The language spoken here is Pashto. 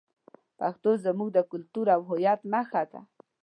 پښتو زموږ د کلتور او هویت نښه ده.